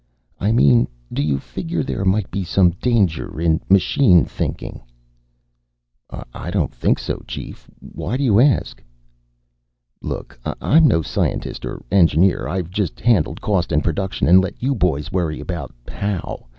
"I mean do you figure there might be some danger in machine thinking?" "I don't think so, Chief. Why do you ask?" "Look, I'm no scientist or engineer. I've just handled cost and production and let you boys worry about how.